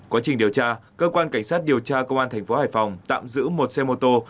quá trình điều tra cơ quan cảnh sát điều tra công an thành phố hải phòng tạm giữ một xe mô tô